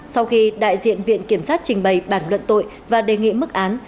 sau khi đại diện viện kiểm sát trình bày bản luận tội và đề nghị mức án